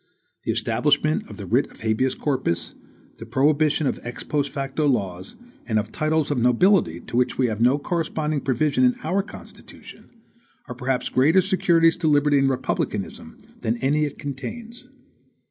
The establishment of the writ of habeas corpus, the prohibition of ex post facto laws, and of TITLES OF NOBILITY, to which we have no corresponding provision in our Constitution, are perhaps greater securities to liberty and republicanism than any it contains.